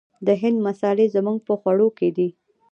د هند مسالې زموږ په خوړو کې دي.